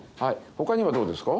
ほかにはどうですか？